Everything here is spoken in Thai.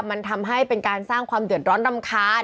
มันทำให้เป็นการสร้างความเดือดร้อนรำคาญ